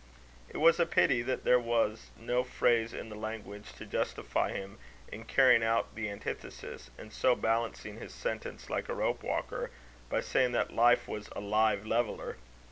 It was a pity that there was no phrase in the language to justify him in carrying out the antithesis, and so balancing his sentence like a rope walker, by saying that life was a live leveller.